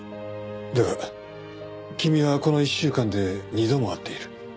だが君はこの１週間で二度も会っている。